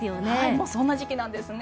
もうそんな時期なんですね。